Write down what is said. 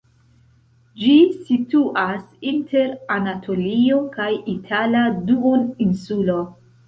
Ĝi situas inter Anatolio kaj Itala duoninsulo.